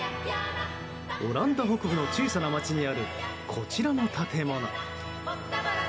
オランダ北部の小さな街にあるこちらの建物。